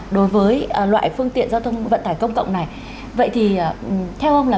đối với loại phương tiện giao thông vận tải công cộng này vậy thì theo ông là